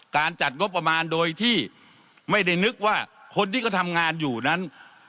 จัดงบประมาณโดยที่ไม่ได้นึกว่าคนที่เขาทำงานอยู่นั้น